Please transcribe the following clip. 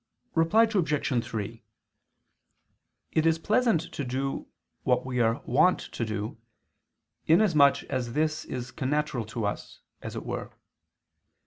Reply Obj. 3: It is pleasant to do what we are wont to do, inasmuch as this is connatural to us, as it were.